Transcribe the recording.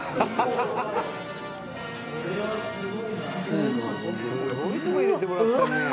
「すごいとこ入れてもらったね」